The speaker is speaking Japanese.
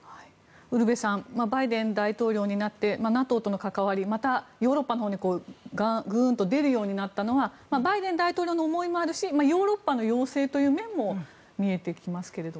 ウルヴェさんバイデン大統領になってＮＡＴＯとの関わりまた、ヨーロッパのほうにグーンと出るようになったのはバイデン大統領の思いもあるしヨーロッパの要請という面も見えてきますけれど。